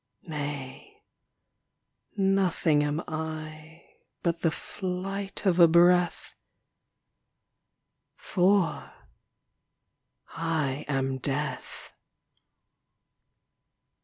Nay; nothing am I, But the flight of a breath For I am Death!